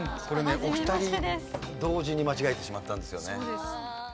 これねお二人同時に間違えてしまったんですよね。